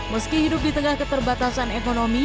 meski hidup di tengah keterbatasan ekonomi